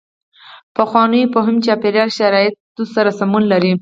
پخوانو فهم چاپېریال شرایطو سره سمون لري.